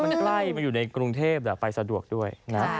มันใกล้มันอยู่ในกรุงเทพไปสะดวกด้วยนะ